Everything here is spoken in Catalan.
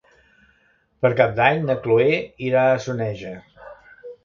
Per Cap d'Any na Chloé irà a Soneja.